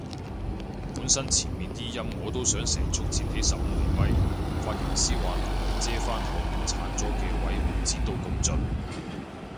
本身前面啲陰我都想成束剪起十五厘米，髮型師話留嚟遮返後面剷咗嘅位唔剪到咁盡